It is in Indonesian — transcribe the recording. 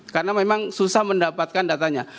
karena memang susah mendapatkan datanya